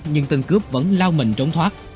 nhưng tên cướp vẫn lao mình trốn thoát